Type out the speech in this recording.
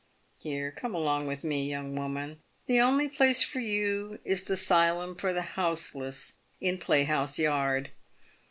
Here, come along with me, young woman ; the only place for you is the 'sylum for the houseless in Playhouse yard."